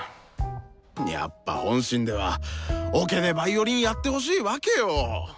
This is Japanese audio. やっぱ本心ではオケでヴァイオリンやってほしいわけよ！